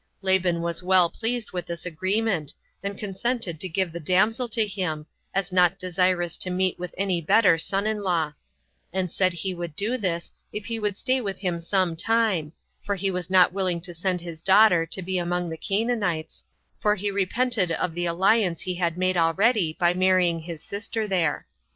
Laban was well pleased with this agreement, and consented to give the damsel to him, as not desirous to meet with any better son in law; and said he would do this, if he would stay with him some time, for he was not willing to send his daughter to be among the Canaanites, for he repented of the alliance he had made already by marrying his sister there.